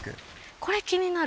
これ気になる。